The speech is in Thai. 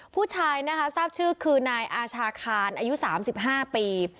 ผู้ชายนะคะทราบชื่อคือนายอาชาคารอายุ๓๕ปี